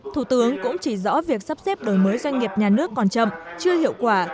thủ tướng cũng chỉ rõ việc sắp xếp đổi mới doanh nghiệp nhà nước còn chậm chưa hiệu quả